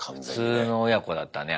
普通の親子だったね